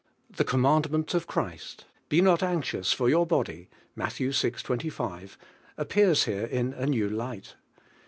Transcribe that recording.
The commandment of Christ, "TV not anxious for your body" (Matt. vi. 25), appears here in a new light.